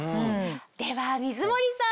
では水森さん